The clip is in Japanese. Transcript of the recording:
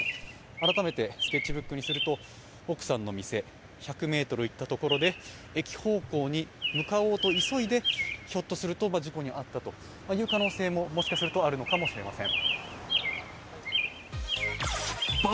改めてスケッチブックにすると奥さんの店、１００ｍ行ったところで駅方向に向かおうと急いでひょっとすると事故に遭ったという可能性もあるのかもしれません。